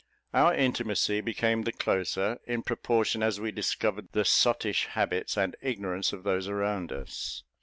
Our intimacy became the closer, in proportion as we discovered the sottish habits and ignorance of those around us.